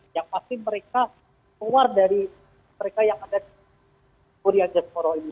yang pasti mereka keluar dari mereka yang ada di polri adas koro semarang ini